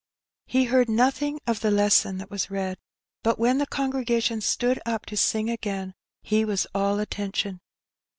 He heard nothing of the lesson that was read; bat when the congregation stood up to sing again he was all attention.